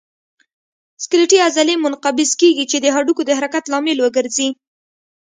سکلیټي عضلې منقبض کېږي چې د هډوکو د حرکت لامل وګرځي.